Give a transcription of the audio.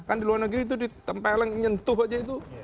kan di luar negeri itu ditempeleng nyentuh aja itu